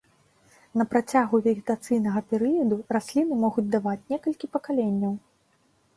На працягу вегетацыйнага перыяду расліны могуць даваць некалькі пакаленняў.